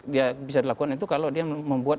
dia bisa dilakukan itu kalau dia membuat